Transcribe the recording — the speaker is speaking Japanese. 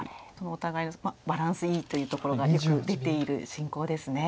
お互いのバランスいいというところがよく出ている進行ですね。